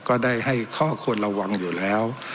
ก็ได้ให้ข้อควรระวังอยู่แล้ว